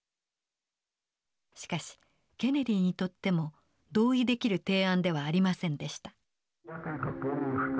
しかしケネディにとっても同意できる提案ではありませんでした。